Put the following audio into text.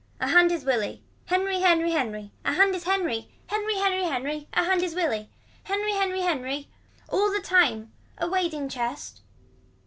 A hand is Willie. Henry Henry Henry. A hand is Henry. Henry Henry Henry. A hand is Willie. Henry Henry Henry. All the time. A wading chest.